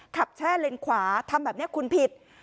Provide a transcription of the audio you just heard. แช่เลนขวาทำแบบนี้คุณผิด